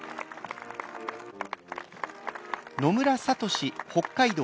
野村聡北海道